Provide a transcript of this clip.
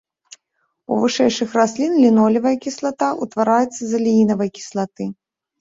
У вышэйшых раслін лінолевая кіслата ўтвараецца з алеінавай кіслаты.